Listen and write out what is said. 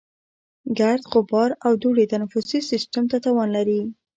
ګرد، غبار او دوړې تنفسي سیستم ته تاوان لري.